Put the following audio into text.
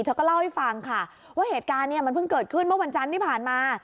เธอก็เล่าให้ฟังค่ะว่าเหตุการณ์เนี่ยมันเพิ่งเกิดขึ้นเมื่อวันจันทร์ที่ผ่านมา